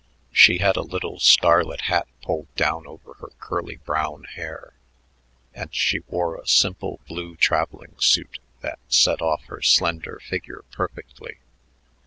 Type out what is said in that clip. She had a little scarlet hat pulled down over her curly brown hair, and she wore a simple blue traveling suit that set off her slender figure perfectly.